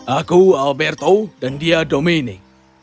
aku alberto dan dia domaining